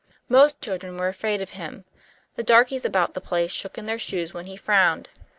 Most children were afraid of him. The darkies about the place shook in their shoes when he frowned.